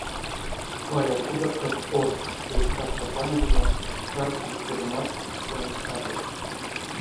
Паряк, кодаткак орт, — эзь капша панжомо, таргсесь, кода маштсь, шканть атясь.